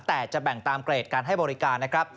แต่จะแบ่งตามเกรดการให้บริการนะครับ